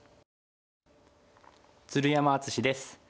鶴山淳志です。